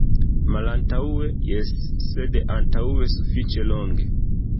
Malantaŭe, jes, sed antaŭe sufiĉe longe.